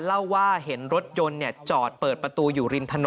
เล่าว่าเห็นรถยนต์จอดเปิดประตู